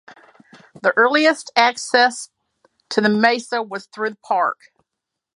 The earliest access to the Mesa was through the Park.